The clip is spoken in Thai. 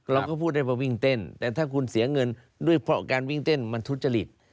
เราก็พูดได้ว่าวิ่งเต้นแต่ถ้าคุณเสียเงินด้วยเพราะการวิ่งเต้นมันทุจริต